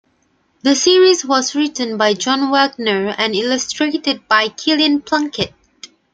The series was written by John Wagner and illustrated by Kilian Plunkett.